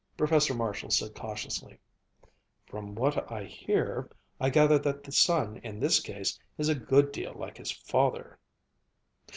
Professor Marshall said cautiously, "From what I hear, I gather that the son in this case is a good deal like his father."